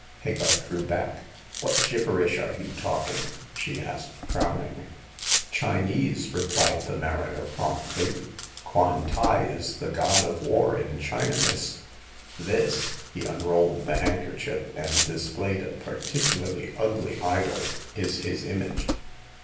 Hagar drew back. " What gibberish are you talking ?" slie asked, frowning. "Chinese," repHed the mariner promptly. "Kwan tai is the god of war in China, miss. This" — he unrolled the handkerchief and dis played a particularly ugly idol —" is his image.